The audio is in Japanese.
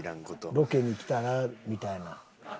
ロケに来たらみたいな。